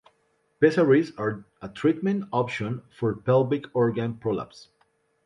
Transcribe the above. Pessaries are a treatment option for pelvic organ prolapse.